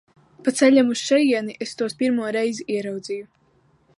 Pa ceļam uz šejieni es tos pirmo reizi ieraudzīju.